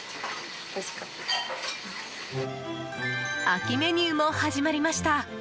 秋メニューも始まりました。